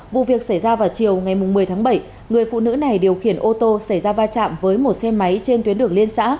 vụ việc xảy ra vào chiều ngày một mươi tháng bảy người phụ nữ này điều khiển ô tô xảy ra va chạm với một xe máy trên tuyến đường liên xã